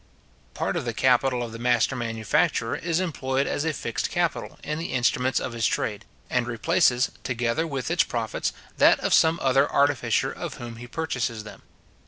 Part of the capital of the master manufacturer is employed as a fixed capital in the instruments of his trade, and replaces, together with its profits, that of some other artificer of whom he purchases them.